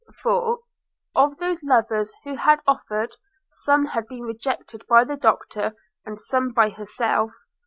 for, of those lovers who had offered, some had been rejected by the Doctor, and some by herself.